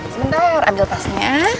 sebentar ambil pasnya